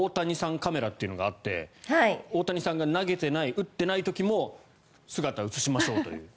カメラというのがあって大谷さんが投げてない打ってない時も姿を映しましょうという。